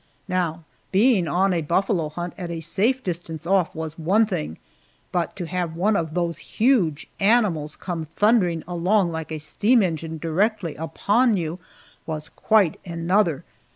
Now, being on a buffalo hunt a safe distance off, was one thing, but to have one of those huge animals come thundering along like a steam engine directly upon you, was quite another.